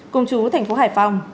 cùng chú tp hcm